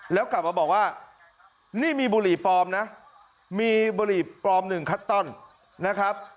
แล้วกลับมาบอกว่านี่มีบุรีปลอมนะ